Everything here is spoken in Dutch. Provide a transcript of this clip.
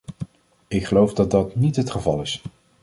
Ik geloof dat dat niet het geval is.